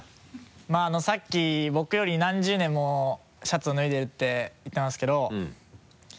さっき僕より何十年もシャツを脱いでるって言ってたんですけど。